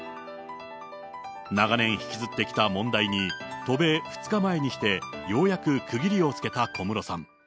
長年引きずってきた問題に、渡米２日前にしてようやく区切りをつけた小室さん。